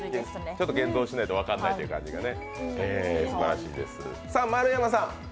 ちょっと現像しないと分からないという感じがすばらしいです。